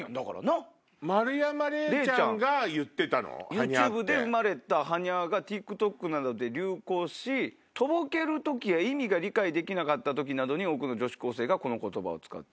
「ＹｏｕＴｕｂｅで生まれた『はにゃ？』がＴｉｋＴｏｋなどで流行しとぼける時や意味が理解できなかった時などに多くの女子高生がこの言葉を使っている。